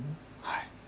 はい。